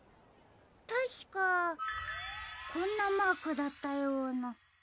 たしかこんなマークだったような。